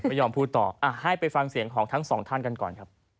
ไม่ยอมพูดต่อให้ไปฟังเสียงของทั้งสองท่านกันก่อนครับ